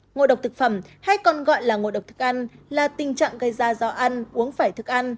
ngộ độc thực phẩm hay còn gọi là ngộ độc thức ăn là tình trạng gây ra do ăn uống phải thức ăn